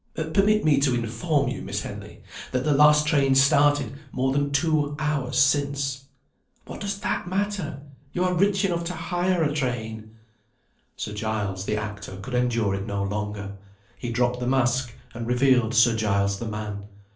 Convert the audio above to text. "Permit me to inform you, Miss Henley, that the last train started more than two hours since." "What does that matter? You are rich enough to hire a train." Sir Giles, the actor, could endure it no longer; he dropped the mask, and revealed Sir Giles, the man.